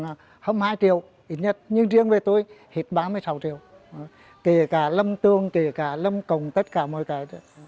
không hai triệu ít nhất nhưng riêng với tôi hết ba mươi sáu triệu kể cả lâm tường kể cả lâm cổng tất cả mọi cái